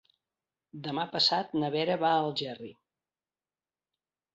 Demà passat na Vera va a Algerri.